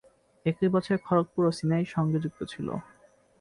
একই বছরে খড়গপুর ও সিনাই সঙ্গে যুক্ত ছিল।